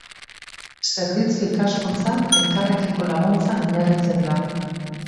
Zerbitzu-ikaskuntza elkarrekiko laguntzan oinarritzen da.